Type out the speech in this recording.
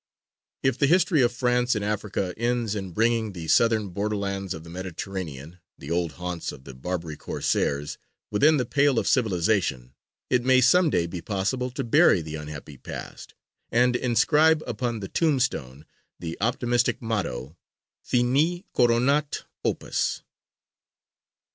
If the history of France in Africa ends in bringing the southern borderlands of the Mediterranean, the old haunts of the Barbary Corsairs, within the pale of civilization, it may some day be possible to bury the unhappy past, and inscribe upon the tombstone the optimistic motto: _Finis coronat opus.